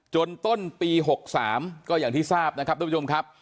ต้นปี๖๓ก็อย่างที่ทราบนะครับทุกผู้ชมครับ